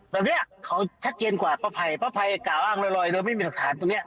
แบบนี้เขาชัดเจนกว่าป้าพัยป้าพัยกล่าวอ้างลอยแล้วไม่มีอักษรตรงนี้